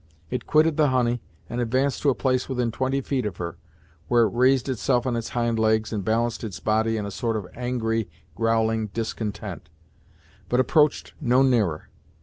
It quitted the honey, and advanced to a place within twenty feet of her, where it raised itself on its hind legs and balanced its body in a sort of angry, growling discontent, but approached no nearer.